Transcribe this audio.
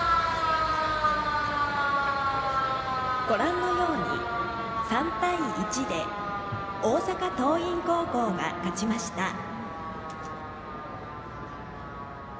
ご覧のように３対１で大阪桐蔭高校が勝ちました。